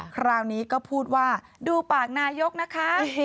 คราวนี้ก็พูดว่าดูปากนายกนะคะ